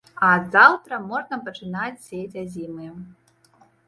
А ад заўтра можна пачынаць сеяць азімыя.